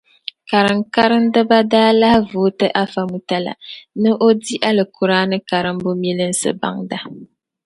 Karim karimdiba daa lahi vooti Afa Mutala ni o di Alikuraani karimbu milinsi baŋda.